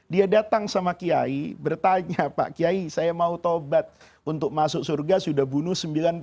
dia datang sama kiai bertanya pak kiai saya mau tobat untuk masuk surga sudah bunuh sembilan puluh